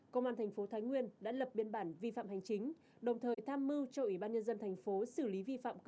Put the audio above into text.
công an thành phố thái nguyên đã lập biên bản vi phạm hành chính đồng thời tham mưu cho ủy ban nhân dân thành phố xử lý vi phạm